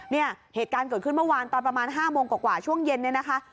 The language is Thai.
เนี่ยเหตุการณ์เกิดขึ้นเมื่อวานตอนประมาณ๕โมงกว่าช่วงเย็นเนี่ยนะคะ